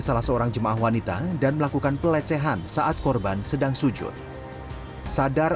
salah seorang jemaah wanita dan melakukan pelecehan saat korban sedang sujud sadar